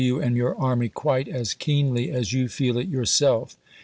you and your army quite as keenly as you feel it yourself.